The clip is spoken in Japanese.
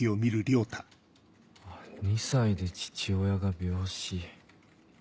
「２歳で父親が病死」。